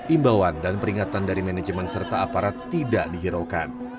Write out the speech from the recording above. imbauan dan peringatan dari manajemen serta aparat tidak dihiraukan